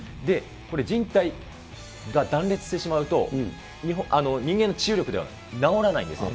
これじん帯が断裂してしまうと、人間の治癒力では治らないんですね。